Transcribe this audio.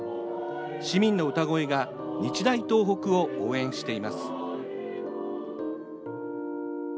市民の歌声が日大東北を応援しています。